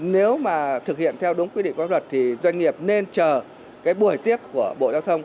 nếu mà thực hiện theo đúng quy định pháp luật thì doanh nghiệp nên chờ cái buổi tiếp của bộ giao thông